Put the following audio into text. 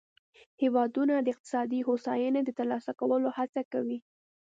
هیوادونه د اقتصادي هوساینې د ترلاسه کولو هڅه کوي